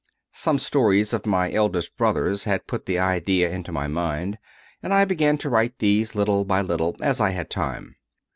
Some stories of my eldest brother s had put the idea into my mind, and I began to write these little by little, as I had time.